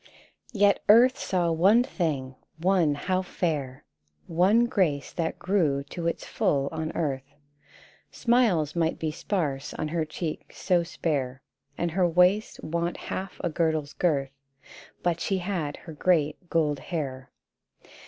Yet earth saw one thing, one how fair ! One grace that grew to its full on earth : Smiles might be sparse on her cheek so spare, And her waist want half a girdle's girth, But she had her great gold hair.